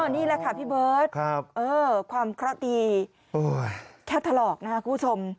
นี่แหละค่ะพี่เบิร์ตความเคราะห์ดีแค่ถลอกนะครับคุณผู้ชม